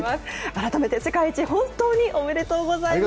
改めて世界一、本当におめでとうございます。